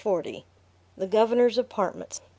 The Governor's Apartments.